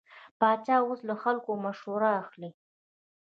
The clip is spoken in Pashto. پاچا اوس له خلکو مشوره اخلي.